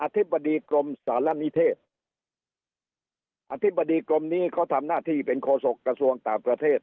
ธิบดีกรมสารณิเทศอธิบดีกรมนี้เขาทำหน้าที่เป็นโฆษกระทรวงต่างประเทศ